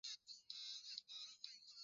nne za Kenya dola mia mbili tisini na nane